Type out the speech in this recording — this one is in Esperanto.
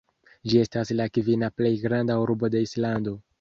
Ĝi estas la kvina plej granda urbo de Islando.